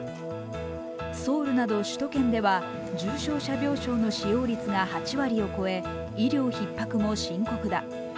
ソウルなど首都圏では重症者病床の使用率が８割を超え医療ひっ迫も深刻だ。